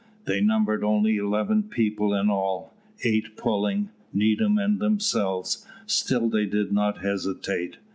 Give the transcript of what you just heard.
They numbered only eleven people in all eight pulling, Needham, and themselves. Still they did not hesitate.